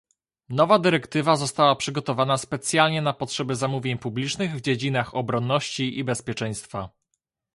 Nowa dyrektywa została przygotowana specjalnie na potrzeby zamówień publicznych w dziedzinach obronności i bezpieczeństwa